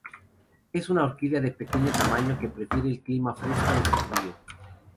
Es una orquídea de pequeño tamaño que prefiere el clima fresco al frío.